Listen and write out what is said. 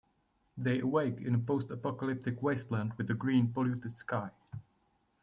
They awake in a post-apocalyptic wasteland with a green, polluted sky.